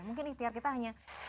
mungkin ihtiar kita hanya